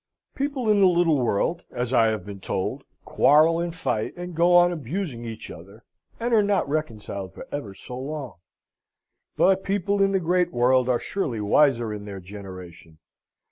People in the little world, as I have been told, quarrel and fight, and go on abusing each other, and are not reconciled for ever so long. But people in the great world are surely wiser in their generation.